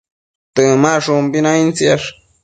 Temashumbi naidtsiash